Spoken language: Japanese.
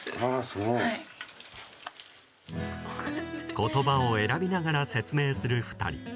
言葉を選びながら説明する２人。